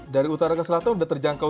dari utara ke selatan sudah terjangkau